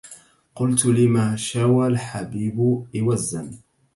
قلت لما شوى الحبيب إوزا